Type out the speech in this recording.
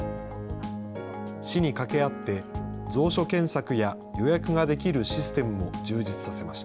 市に掛け合って、蔵書検索や予約ができるシステムも充実させました。